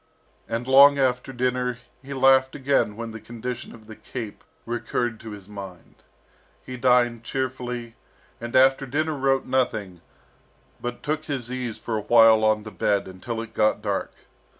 And long after dinner he laughed again when the condition of the "cape" recurred to his mind. He dined cheerfully, and after dinner wrote nothing, but took his ease for a while on the bed, until it got dark.